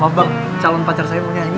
mau bang calon pacar saya mau nyanyi